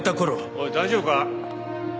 おい大丈夫か？